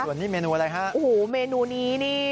ส่วนนี้เมนูอะไรฮะโอ้โหเมนูนี้นี่